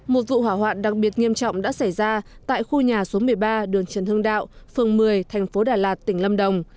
một vụ hỏa hoạn đặc biệt nghiêm trọng đã xảy ra tại khu nhà số một mươi ba đường trần hưng đạo phường một mươi thành phố đà lạt tỉnh lâm đồng